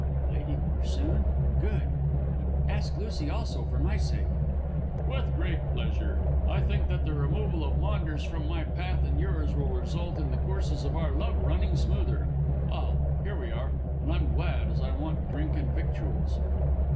"Lady Corsoon? Good! And ask Lucy also, for my sake." "With great pleasure. I think that the removal of Maunders from my path and yours will result in the courses of our love running smoother. Ah, here we are, and I'm glad, as I want drink and victuals."